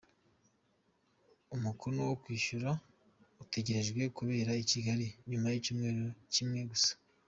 Umukno wo kwishyura utegerejwe kubera I Kigali nyuma y’icyumweru kimwe gusa